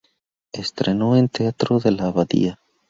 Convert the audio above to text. Estreno en Teatro de la Abadía.